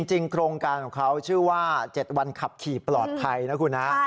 จริงโครงการของเขาชื่อว่า๗วันขับขี่ปลอดภัยนะคุณฮะ